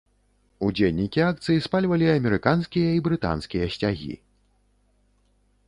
Удзельнікі акцый спальвалі амерыканскія і брытанскія сцягі.